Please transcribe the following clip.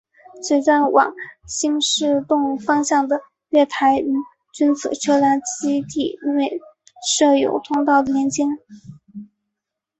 此站往新设洞方向的月台与君子车辆基地设有通道连结。